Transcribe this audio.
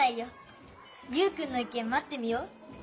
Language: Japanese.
ユウくんのいけんまってみよう。